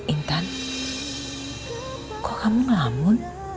intan kok kamu ngamun